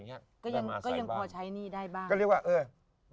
ก็ยังพอใช้นี่ได้บ้าง